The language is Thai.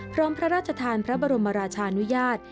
พระราชทานพระบรมราชานุญาต